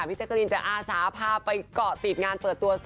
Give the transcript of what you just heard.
แจ๊กรีนจะอาสาพาไปเกาะติดงานเปิดตัว๒